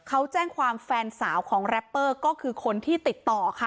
เขาแจ้งความแฟนสาวของแรปเปอร์ก็คือคนที่ติดต่อค่ะ